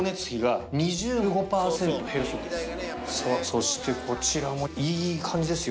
そしてこちらもいい感じですよ。